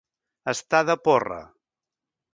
Estar de porra.